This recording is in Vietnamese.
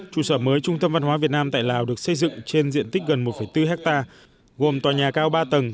trụ sở mới trung tâm văn hóa việt nam tại lào được xây dựng trên diện tích gần một bốn hectare gồm tòa nhà cao ba tầng